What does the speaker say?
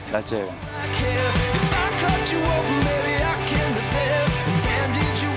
แล้วเจอกัน